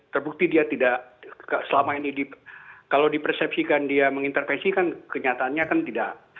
terbukti dia tidak selama ini kalau dipersepsikan dia mengintervensi kan kenyataannya kan tidak